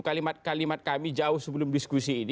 kalimat kalimat kami jauh sebelum diskusi ini